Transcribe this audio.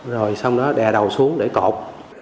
rồi xong đó đè đầu xuống để cột